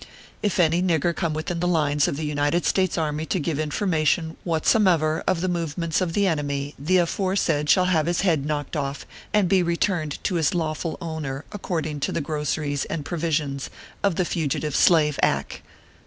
If any nigger come within the lines of the United States Army to give information, whatsomever, of the movements of the enemy, the aforesaid shall have his head knocked off, and be returned to his lawful owner, according to the groceries and provisions of the Fugitive Slave Ack.